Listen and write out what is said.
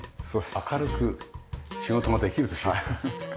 明るく仕事ができるでしょう。